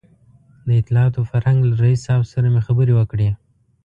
د اطلاعاتو او فرهنګ له رییس صاحب سره مې خبرې وکړې.